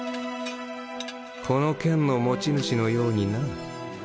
この剣の持ち主のようにな。